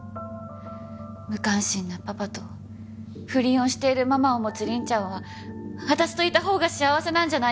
無関心なパパと不倫をしているママを持つ凛ちゃんは私といたほうが幸せなんじゃないかって。